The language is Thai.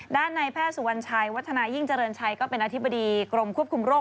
ด้านในแพทย์สุวรรณชัยวัฒนายิ่งเจริญชัยก็เป็นอธิบดีกรมควบคุมโรค